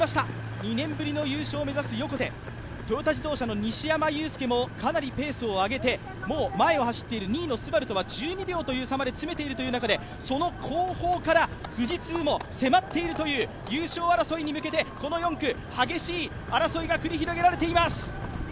２年ぶりの優勝を目指す横手、トヨタ自動車の西山雄介もかなりペースを上げてもう前を走っている２位のＳＵＢＡＲＵとは１２秒という中でその後方から富士通も迫っているという優勝争いに向けてこの４区激しい争いが繰り広げられています。